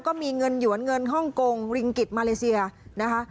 ก็มีเงินหยวนเงินฮ่องกงริงกิจมาเลเซียนะคะ